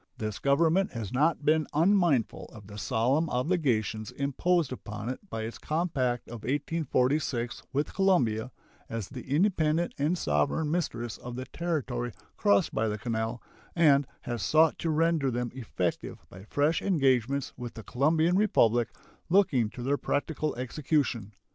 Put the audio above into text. This Government has not been unmindful of the solemn obligations imposed upon it by its compact of 1846 with Colombia, as the independent and sovereign mistress of the territory crossed by the canal, and has sought to render them effective by fresh engagements with the Colombian Republic looking to their practical execution.